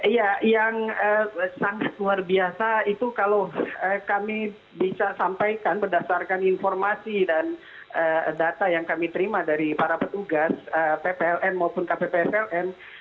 ya yang sangat luar biasa itu kalau kami bisa sampaikan berdasarkan informasi dan data yang kami terima dari para petugas ppln maupun kppsln